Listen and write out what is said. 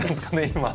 今。